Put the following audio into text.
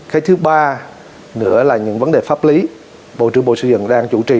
cái thứ ba nữa là những vấn đề pháp lý bộ trưởng bộ sự dân đang chủ trì